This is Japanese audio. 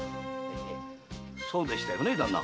そうでしたよね旦那？